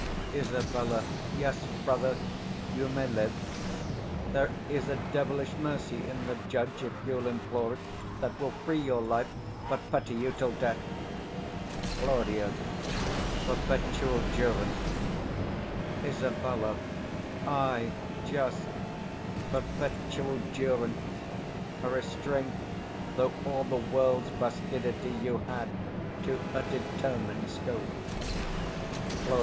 Isab. Yes, brother, you may live: 65 There is a devilish mercy in the judge, If you'll implore it, that will free your life, But fetter you till death. Claud. Perpetual durance? Isab. Ay, just; perpetual durance, a restraint, Though all the world's vastidity you had, 70 To a determined scope. _Claud.